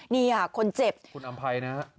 นี่คุณเจ็บคุณอำไพยนะ